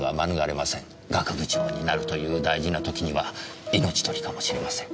学部長になるという大事な時には命取りかもしれません。